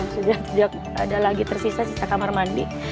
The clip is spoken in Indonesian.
sudah sejak ada lagi tersisa sisa kamar mandi